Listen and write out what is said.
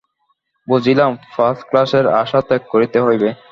বুঝিলাম, ফার্স্টক্লাসের আশা ত্যাগ করিতে হইবে।